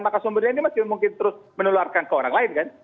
maka sumbernya ini masih mungkin terus menularkan ke orang lain kan